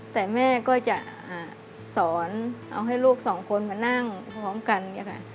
แต่แม่ก็จะสอนเอาให้ลูกสองคนมานั่งพร้อมกันเนี่ยค่ะ